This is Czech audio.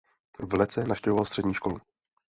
V Lecce navštěvoval střední školu.